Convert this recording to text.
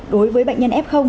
đối với bệnh nhân f